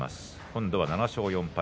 今度は７勝４敗